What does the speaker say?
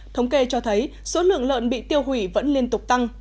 thống kê cho thấy số lượng lợn bị tiêu hủy vẫn liên tục tăng